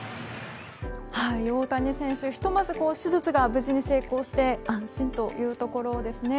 大谷選手、ひとまず手術が無事に成功して安心というところですね。